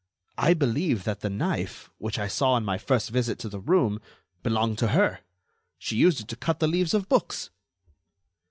I believe that the knife, which I saw on my first visit to the room, belonged to her. She used it to cut the leaves of books."